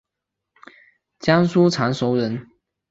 江苏常熟人。